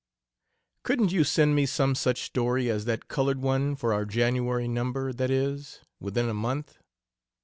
"Couldn't you send me some such story as that colored one for our January number that is, within a month?"